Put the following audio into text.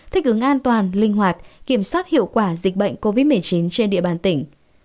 thích ứng an toàn linh hoạt kiểm soát hiệu quả dịch bệnh covid một mươi chín trên địa bàn tỉnh